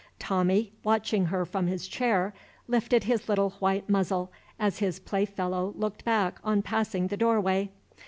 Tommie, watching her from his chair, lifted his little white muzzle as his playfellow looked back on passing the doorway.